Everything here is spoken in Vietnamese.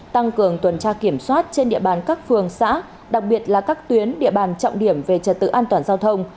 tăng cường tuần tra kiểm soát trên địa bàn các phường xã đặc biệt là các tuyến địa bàn trọng điểm về trật tự an toàn giao thông